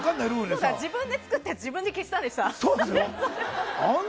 そうだ、自分で作って自分で消したんでした。